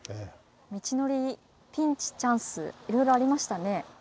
道のりピンチチャンスいろいろありましたね。